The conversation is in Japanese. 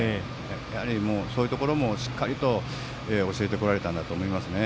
やはり、そういうところもしっかりと教えてこられたなと思いますね。